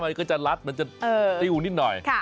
มันก็จะลัดมันจะอืมนิดหน่อยค่ะ